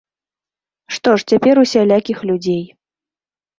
Што ж, цяпер усялякіх людзей.